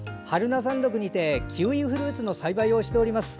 榛名山麓にてキウイフルーツの栽培をしております。